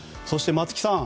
松木さん